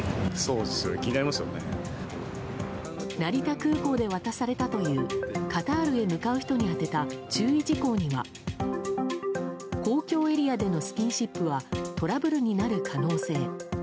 成田空港で渡されたというカタールへ向かう人に宛てた注意事項には公共エリアでのスキンシップはトラブルになる可能性。